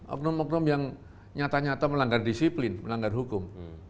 oknum oknum yang nyata nyata melanggar disiplin melanggar hukum